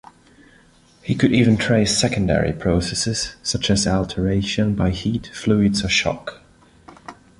He could even trace secondary processes, such as alteration by heat, fluids or shock.